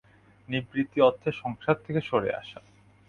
নিবৃত্তি-অর্থে সংসার থেকে সরে আসা।